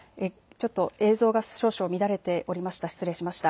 ちょっと映像が少々乱れておりました。